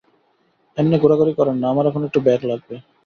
এম্নে ঘোরাঘুরি করেন না, আমার এখন একটা ব্যাগ লাগবে।